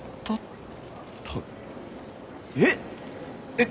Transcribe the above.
えっ？